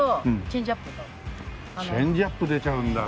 チェンジアップ出ちゃうんだ。